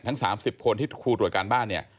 ทั้ง๓๐คนที่ครูตรวจการบ้านเนี่ย